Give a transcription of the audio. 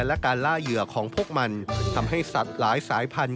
และการล่าเหยื่อของพวกมันทำให้สัตว์หลายสายพันธุ